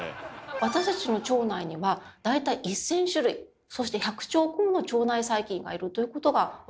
私たちの腸内には大体１，０００種類そして１００兆個もの腸内細菌がいるということが分かってるんですね。